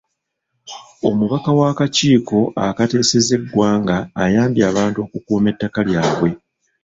Omubaka w'akakiiko akateeseza eggwanga ayambye abantu okukuuma ettaka lyabwe.